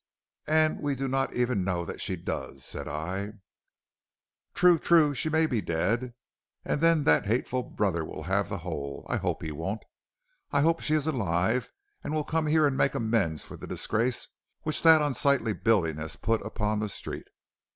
"'And we do not even know that she does,' said I. "'True, true, she may be dead, and then that hateful brother will have the whole. I hope he won't. I hope she is alive and will come here and make amends for the disgrace which that unsightly building has put upon the street.'